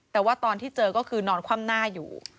แต่ว่าตอนที่เจอก็คือนอนคว่ำหน้าอยู่